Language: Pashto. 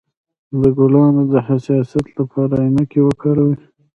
د ګلانو د حساسیت لپاره عینکې وکاروئ